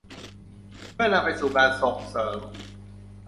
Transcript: เพื่อนำไปสู่การส่งเสริม